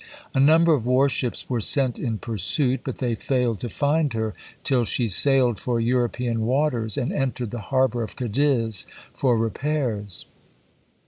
A number of war ships were sent in pursuit, but they failed to find her till she sailed for Euro pean waters, and entered the harbor of Cadiz for repairs.